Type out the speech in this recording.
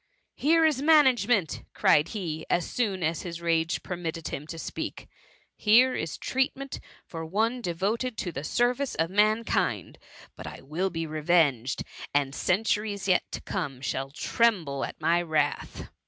'* Here is management !^ cried he^ as soon as his rage permitted him to speak ;'^ here is treatment for one devoted to the service of mankind ! But I will be revenged, and centu ries yet to come shall tremble at my wrath.''